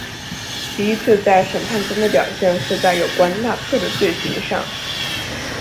第一次在审判中的表现是在有关纳粹的罪行上。